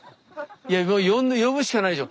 いやもう呼ぶしかないでしょ。